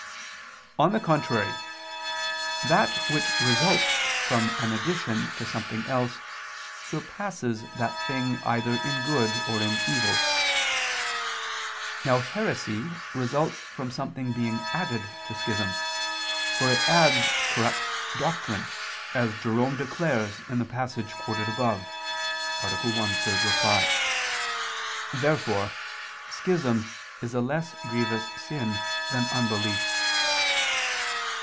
On the contrary, That which results from an addition to something else surpasses that thing either in good or in evil. Now heresy results from something being added to schism, for it adds corrupt doctrine, as Jerome declares in the passage quoted above (A. 1, ad 3). Therefore schism is a less grievous sin than unbelief.